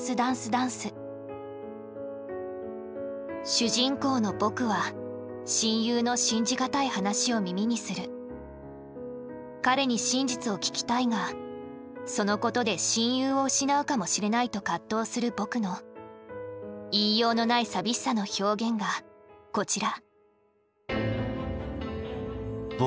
主人公の僕は彼に真実を聞きたいがそのことで親友を失うかもしれないと葛藤する僕の言いようのない寂しさの表現がこちら。